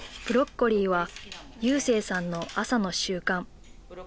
ブロッコリーは勇成さんの朝の習慣。